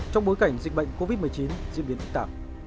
trong bối cảnh dịch bệnh covid một mươi chín diễn biến phức tạp